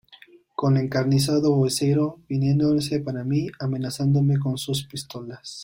con encarnizado vocerío viniéronse para mí, amenazándome con sus pistolas.